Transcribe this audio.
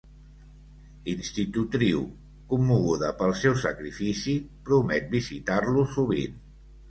Institutriu, commoguda pel seu sacrifici, promet visitar-lo sovint.